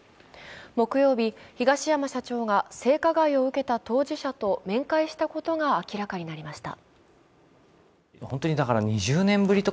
木曜日、東山社長が性加害を受けた当事者と面会したことが明らかになりました。